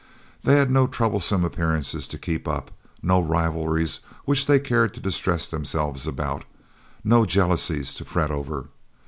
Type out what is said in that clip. They had no troublesome appearances to keep up, no rivalries which they cared to distress themselves about, no jealousies to fret over.